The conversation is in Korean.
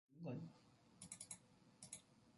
딸국딸국 하고 숨 모으는 소리도 나는 듯싶다.